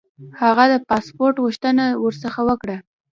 هغه د پاسپوټ غوښتنه ورڅخه وکړه.